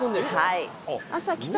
はい。